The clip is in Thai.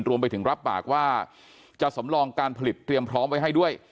รวมไปถึงรับปากว่าจะสำรองการผลิตเตรียมพร้อมไว้ให้ด้วย